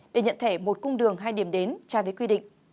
để nhận thẻ một cung đường hai điểm đến tra với quy định